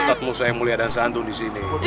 minta tuhan saya mulia dan santun di sini